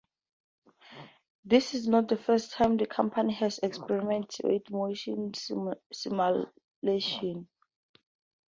This is not the first time the company has experimented with motion simulation.